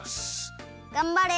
がんばれ。